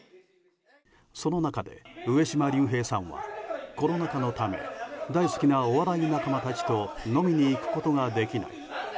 その中で上島竜兵さんはコロナ禍のため大好きなお笑い仲間たちと飲みに行くことができない。